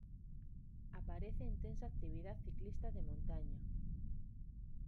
Aparece intensa actividad ciclista de montaña.